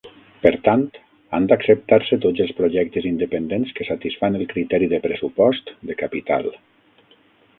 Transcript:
Per tant, han d'acceptar-se tots els projectes independents que satisfan el criteri de pressupost de capital.